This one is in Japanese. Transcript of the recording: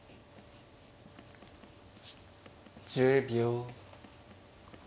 １０秒。